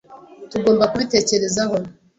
Tugomba kubitekerezaho.